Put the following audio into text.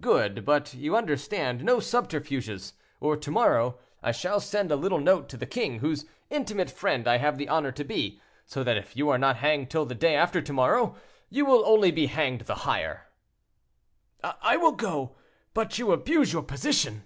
"Good! But you understand, no subterfuges, or to morrow I shall send a little note to the king, whose intimate friend I have the honor to be, so that if you are not hanged till the day after to morrow, you will only be hanged the higher." "I will go; but you abuse your position."